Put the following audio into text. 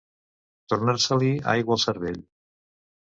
Tornar-se-li aigua el cervell.